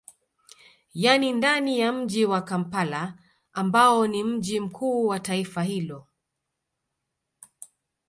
Yani ndani ya mji wa Kampala ambao ni mji mkuu wa taifa hilo